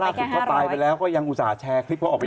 สุดเขาตายไปแล้วก็ยังอุตส่าห์แชร์คลิปเขาออกไป